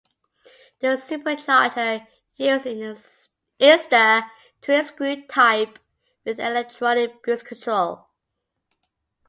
The supercharger used is the twin-screw type with electronic boost control.